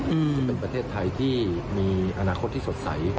ที่เป็นประเทศไทยที่มีอนาคตที่สดใส